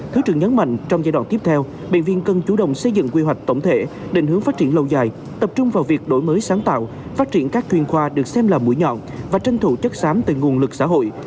thứ trưởng nhấn mạnh trong giai đoạn tiếp theo bệnh viện cần chủ động xây dựng quy hoạch tổng thể định hướng phát triển lâu dài tập trung vào việc đổi mới sáng tạo phát triển các chuyên khoa được xem là mũi nhọn và tranh thủ chất xám từ nguồn lực xã hội